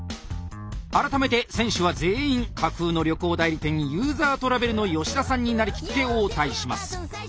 改めて選手は全員架空の旅行代理店ユーザートラベルの吉田さんになりきって応対します。